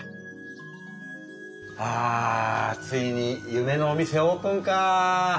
あついに夢のお店オープンかぁ。